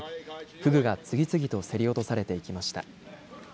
フグが次々と競り落とされていきました。